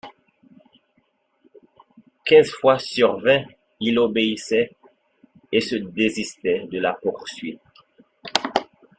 Quinze fois sur vingt il obéissait et se désistait de la poursuite.